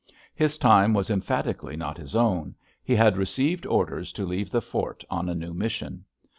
His time was emphatically not his own, he had received orders to leave the fort on a new mission.